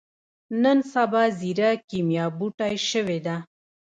نن سبا ځيره کېميا بوټی شوې ده.